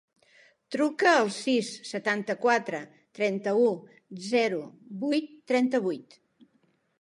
Truca al sis, setanta-quatre, trenta-u, zero, vuit, trenta-vuit.